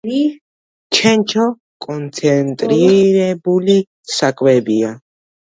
ჩენჩო კონცენტრირებული საკვებია.